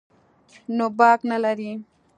نو باک نه لري.